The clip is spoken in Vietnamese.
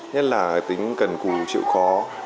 nhất là cái tính cần cù chịu khó